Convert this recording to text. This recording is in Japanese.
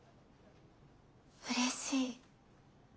うれしい。